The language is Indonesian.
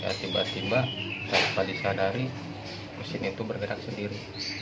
tiba tiba saya tiba tiba disadari mesin itu bergerak sendiri